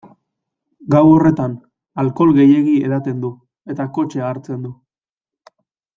Gau horretan, alkohol gehiegi edaten du, eta kotxea hartzen du.